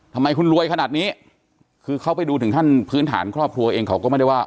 ทำไมคุณรวยขนาดนี้คือเขาไปดูถึงขั้นพื้นฐานครอบครัวเองเขาก็ไม่ได้ว่า